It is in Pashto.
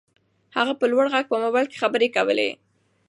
هغه په لوړ غږ په موبایل کې خبرې کولې.